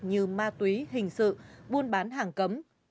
như ma túy hình sự buôn bán hàng cấm